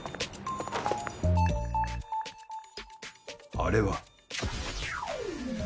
あれは。